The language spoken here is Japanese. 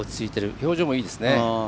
表情もいいですね。